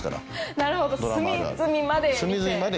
なるほど隅々まで。